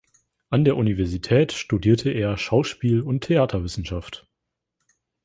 An der Universität studierte er Schauspiel- und Theaterwissenschaft.